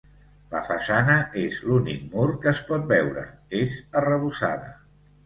La façana és l'únic mur que es pot veure; és arrebossada.